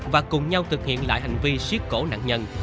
và cùng nhau thực hiện lại hành vi siết cổ nạn nhân